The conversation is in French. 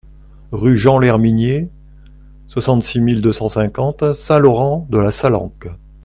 Rue Jean Lherminier, soixante-six mille deux cent cinquante Saint-Laurent-de-la-Salanque